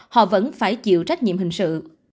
họ vẫn phải chịu trách nhiệm hình sự